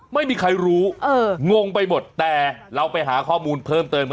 ไม่มีใครรู้งงไปหมดแต่เราไปหาข้อมูลเพิ่มเติมมา